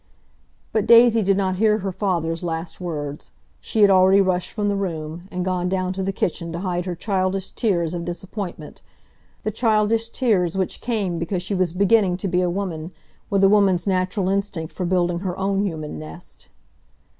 But Daisy did not hear her father's last words. She had already rushed from the room, and gone down to the kitchen to hide her childish tears of disappointment—the childish tears which came because she was beginning to be a woman, with a woman's natural instinct for building her own human nest.